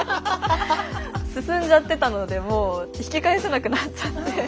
進んじゃってたのでもう引き返せなくなっちゃって。